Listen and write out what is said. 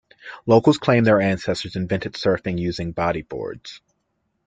Locals claim their ancestors invented surfing using body boards.